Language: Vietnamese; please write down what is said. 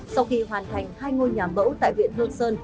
sau khi hoàn thành hai ngôi nhà mẫu tại huyện hương sơn